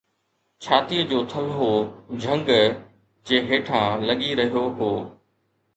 ڇاتيءَ جو ٿلهو جهنگ جي هيٺان لڳي رهيو هو